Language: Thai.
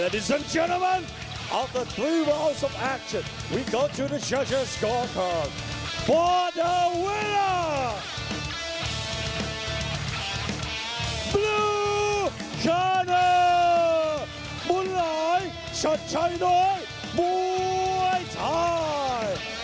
บุญหลายชัดชัยน้อยบวยไทย